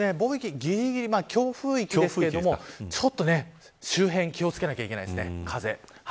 そうですねぎりぎり強風域ですけどちょっと周辺気を付けないといけないですね。